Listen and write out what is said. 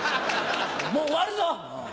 もう終わるぞ！